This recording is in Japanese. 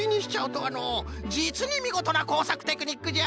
じつにみごとなこうさくテクニックじゃ。